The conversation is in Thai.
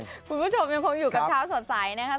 คุณผู้ชมยังคงอยู่กับเช้าสดใสนะครับ